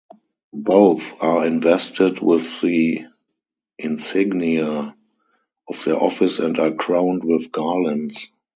Both are invested with the insignia of their office and are crowned with garlands.